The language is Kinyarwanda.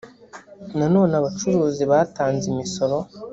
nanone abacuruzi batanze imisoro.